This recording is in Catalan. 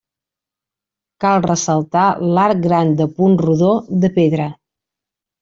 Cal ressaltar l'arc gran de punt rodó, de pedra.